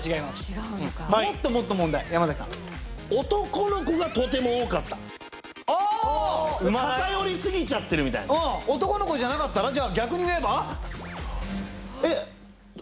違うのかもっともっと問題山崎さんあ偏りすぎちゃってるみたいなうん男の子じゃなかったらじゃあえっ！